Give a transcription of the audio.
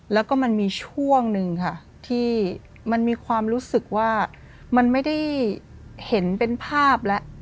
แล้วก็มันมีช่วงหนึ่งค่ะที่มันมีความรู้สึกว่ามันไม่ได้เห็นเป็นภาพแล้ว